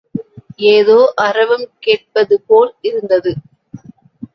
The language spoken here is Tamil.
ஏதோ அரவம் கேட்பதுபோல் இருந்தது.